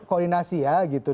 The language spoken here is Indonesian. koordinasi ya gitu